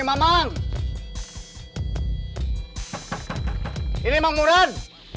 bahwa di aduharahuman